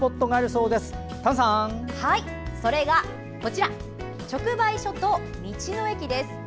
それが、こちら直売所と道の駅です。